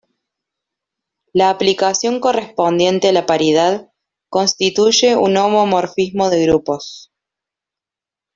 La aplicación correspondiente a la paridad constituye un homomorfismo de grupos.